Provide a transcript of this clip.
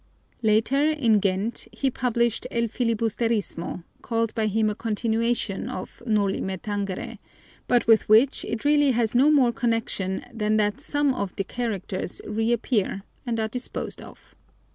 Later, in Ghent, he published El Filibusterismo, called by him a continuation of Noli Me Tangere, but with which it really has no more connection than that some of the characters reappear and are disposed of.